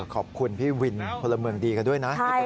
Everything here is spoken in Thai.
ขอบคุณพี่วินพลเมืองดีกันด้วยนะ